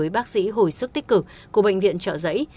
bác sĩ hồi sức tích cực của bệnh viện trợ giấy